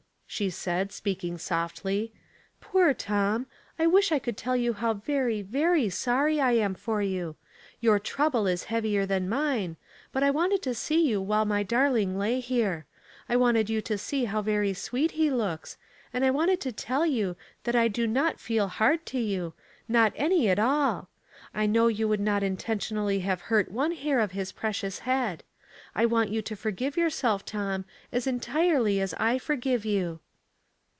she said, speaking softly. *' Poor Tom ! I wish I could tell you how very, very sorry I am for you. Your trouble is heavier than mine, but I wanted to see you while my darling lay here ; I wanted you to see how very sweet he looks, and I wanted to tell you that I do not feel hard to you, not any at all. I know you would not intentionally have hurt one hair of his precious head. I want you to forgive yourself, Tom, as entirely as I forgive you."